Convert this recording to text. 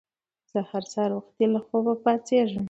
زه هر سهار وختي له خوبه پاڅېږم